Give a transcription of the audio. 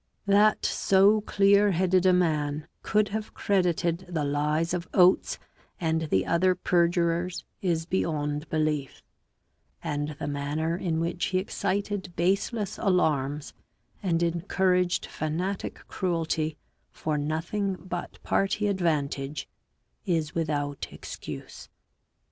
That so clear headed a man could have credited the' lies of Oates and the other perjurers is beyond belief; and the manner in which he excited baseless alarms, and encouraged fanatic cruelty, for nothing but party advantage, is without excuse.